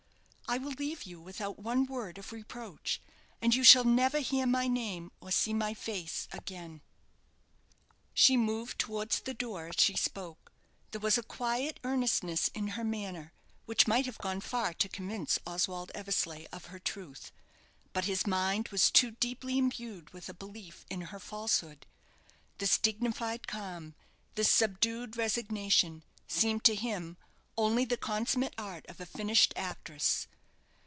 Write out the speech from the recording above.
I will leave you without one word of reproach, and you shall never hear my name, or see my face again." She moved towards the door as she spoke. There was a quiet earnestness in her manner which might have gone far to convince Oswald Eversleigh of her truth; but his mind was too deeply imbued with a belief in her falsehood. This dignified calm, this subdued resignation, seemed to him only the consummate art of a finished actress.